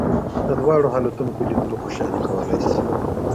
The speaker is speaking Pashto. د دواړو حالتونو په لیدلو خوشالي کولای شې.